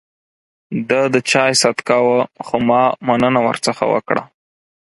ده د چای ست کاوه ، خو ما مننه ورڅخه وکړه.